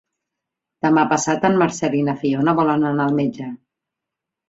Demà passat en Marcel i na Fiona volen anar al metge.